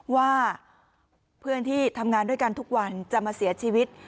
ว่าเพื่อนที่ทำงานด้วยกันทุกวันจะมาเสียชีวิต